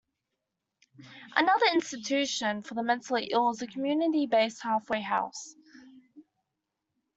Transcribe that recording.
Another institution for the mentally ill is a community-based halfway house.